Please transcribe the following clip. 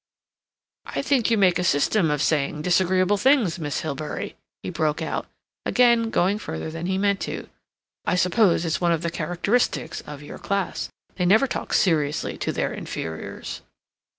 "I think you make a system of saying disagreeable things, Miss Hilbery," he broke out, again going further than he meant to. "I suppose it's one of the characteristics of your class. They never talk seriously to their inferiors."